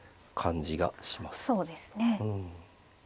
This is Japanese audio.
そうですね。